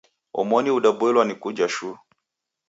Omoni udaboilwa ni kuja shuu.